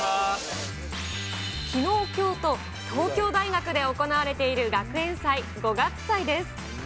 きのう、きょうと、東京大学で行われている学園祭、五月祭です。